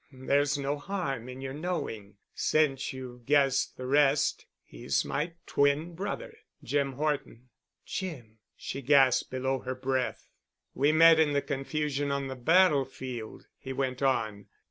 "There's no harm in your knowing, since you've guessed the rest. He's my twin brother, Jim Horton." "Jim," she gasped below her breath. "We met in the confusion on the battlefield," he went on.